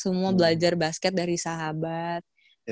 semua belajar basket dari sahabat